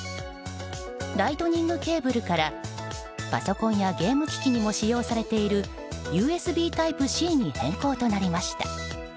ライトニングケーブルからパソコンやゲーム機器にも使用されているＵＳＢＴｙｐｅ‐Ｃに変更となりました。